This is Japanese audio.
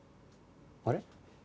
あれ？